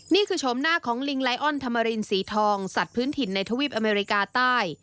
ชมหน้าของลิงไลออนธรรมรินสีทองสัตว์พื้นถิ่นในทวีปอเมริกาใต้